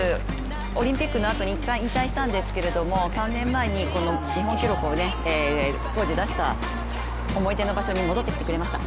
オリンピックのあとにいったん引退したんですけど３年前に日本記録を当時出した思い出の場所に戻ってきてくれました。